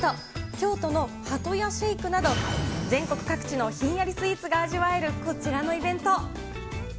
京都の八十八シェイクなど、全国各地のひんやりスイーツが味わえる、こちらのイベント。